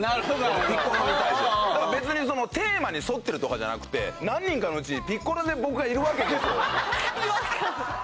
ピッコロに対してだから別にテーマに沿ってるとかじゃなくて何人かのうちピッコロで僕がいるわけですよ